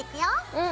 うん。